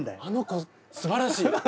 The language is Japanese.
あの子すばらしい！